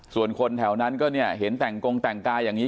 ส่วนคนแถวนั้นก็เนี่ยเห็นแต่งกงแต่งกายอย่างนี้